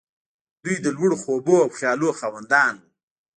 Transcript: دوی د لوړو خوبونو او خيالونو خاوندان وو.